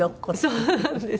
そうなんです。